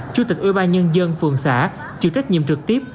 chủ tịch ubnd phường xã chịu trách nhiệm trực tiếp